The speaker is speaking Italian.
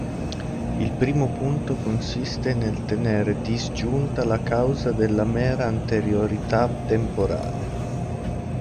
Il primo punto consiste nel tenere disgiunta la causa dalla mera anteriorità temporale.